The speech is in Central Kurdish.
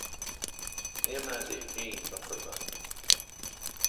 ئێمه دهیکهین به قوربان